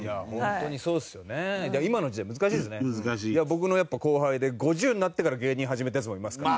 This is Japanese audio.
僕の後輩で５０になってから芸人始めたヤツもいますから。